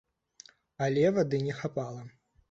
Але вады не хапала.